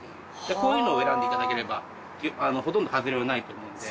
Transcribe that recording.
こういうのを選んでいただければほとんどハズレはないと思うので。